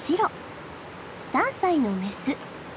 ３歳のメス。